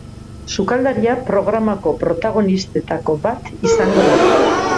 Sukaldaria programako protagonistetako bat izango da.